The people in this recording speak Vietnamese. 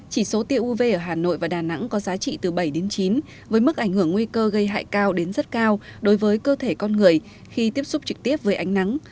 chỉ số tiêu uv ở hà nội và đà nẵng có giá trị từ bảy đến chín với mức ảnh hưởng nguy cơ gây hại cao đến rất cao đối với cơ thể con người khi tiếp xúc trực tiếp với ánh nắng